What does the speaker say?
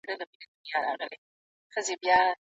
د لیکلو تمرین د ماشوم فزیکي وده ښیي.